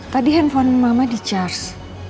tadi handphone mama di charge